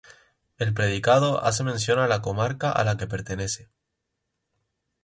El predicado hace mención a la comarca a la que pertenece.